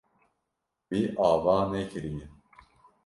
Wî ava nekiriye.